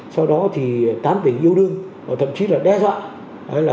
sau đó tán tỉnh yêu đương thậm chí là đe dọa